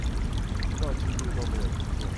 直到今日都沒有中斷